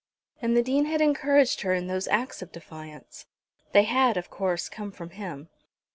And the Dean had encouraged her in those acts of defiance. They had, of course, come from him.